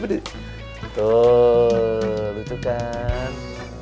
tuh lucu kan